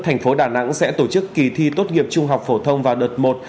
thành phố đà nẵng sẽ tổ chức kỳ thi tốt nghiệp trung học phổ thông vào đợt một